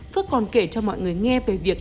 phước còn kể cho mọi người nghe về việc